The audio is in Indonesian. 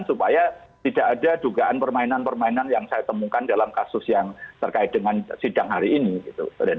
supaya tidak ada dugaan permainan permainan yang saya temukan dalam kasus yang terkait dengan sidang hari ini gitu